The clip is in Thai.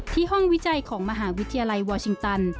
ห้องวิจัยของมหาวิทยาลัยวอร์ชิงตัน